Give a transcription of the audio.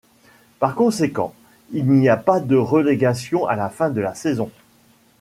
Par conséquent, il n'y a pas de relégation à la fin de la saison.